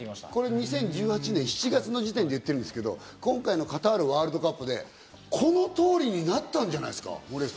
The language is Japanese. ２０１８年７月の時点で行ってますけど、今回のワールドカップカタール大会で、この通りになったんじゃないですか？